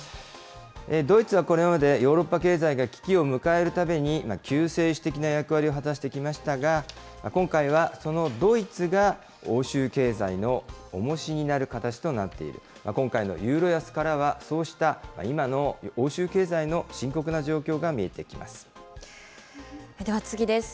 ドイツはこれまでヨーロッパ経済が危機を迎えるたびに救世主的な役割を果たしてきましたが、今回はそのドイツが欧州経済のおもしになる形となっている、今回のユーロ安からはそうした今の欧州経では次です。